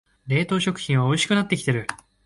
冷凍食品はおいしくなってきてる